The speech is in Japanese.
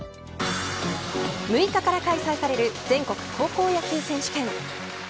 ６日から開催される全国高校野球選手権。